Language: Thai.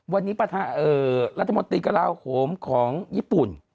วันนี้ประธารัฐมนตรีกะลาวโขมของญี่ปุ่น